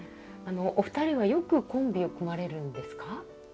あのお二人はよくコンビを組まれるんですか？